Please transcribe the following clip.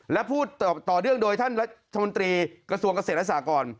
และพูดต่อเนื่องโดยท่านรัฐมนตรีกระทรวงเกษตรและสากร